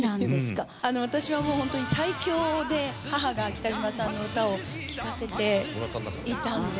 私はもうホントに胎教で母が北島さんの歌を聴かせていたんです。